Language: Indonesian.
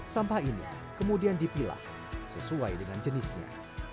sampah ini kemudian dipilah sesuai dengan jenisnya